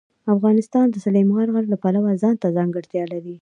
افغانستان د سلیمان غر د پلوه ځانته ځانګړتیا لري.